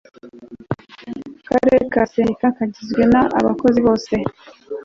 Akarere ka Sendika kagizwe n abakozi bose